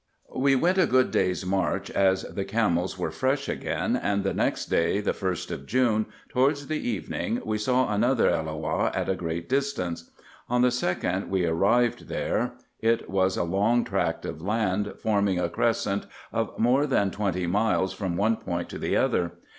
We went a good day's march, as the camels were fresh again ; and the next day, the 1st of June, towards the evening, we saw another Elloah at a great distance. On the 2d we arrived there ; it was a long tract of land, forming a crescent of more than twenty miles, from one point to the other.